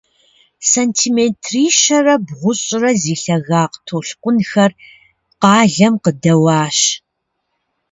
Сантиметрищэрэ бгъущӏрэ зи лъагагъ толъкъунхэр къалэм къыдэуащ.